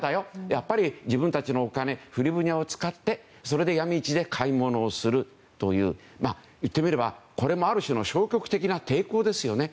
やっぱり、自分たちのお金フリブニャを使ってヤミ市で買い物をするという行ってみれば、これもある種の消極的な抵抗ですよね。